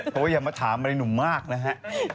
เพราะว่าอย่ามาถามอะไรหนุ่มมากนะฮะ